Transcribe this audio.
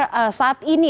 apa kondisi yang terjadi